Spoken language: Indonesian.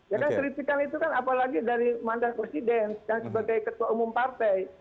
ya kan kritikan itu kan apalagi dari mantan presiden dan sebagai ketua umum partai